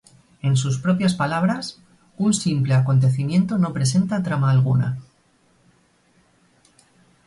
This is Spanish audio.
En sus propias palabras: ""Un simple acontecimiento" no presenta trama alguna.